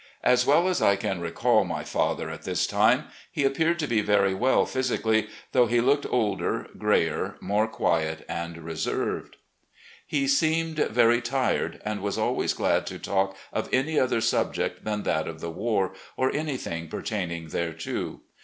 As well as I can recall my father at this time, he appeared to be very well physically, though he looked iS8 RECOLLECTIONS OF GENERAL LEE older, grayer, more qtuet and reserved. He seemed very tired, and was always glad to talk of any other subject than that of the war or an 5 rthing pertaining thereto.